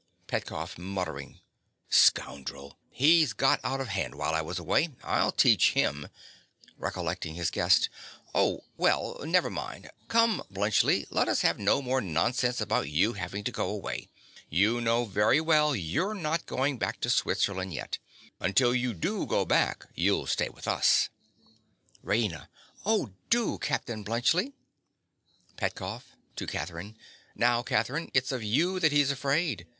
PETKOFF. (muttering). Scoundrel. He's got out of hand while I was away. I'll teach him. (Recollecting his guest.) Oh, well, never mind. Come, Bluntschli, lets have no more nonsense about you having to go away. You know very well you're not going back to Switzerland yet. Until you do go back you'll stay with us. RAINA. Oh, do, Captain Bluntschli. PETKOFF. (to Catherine). Now, Catherine, it's of you that he's afraid.